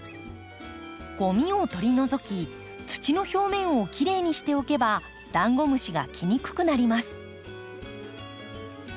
ゴミを取り除き土の表面をきれいにしておけばダンゴムシが来にくくなります。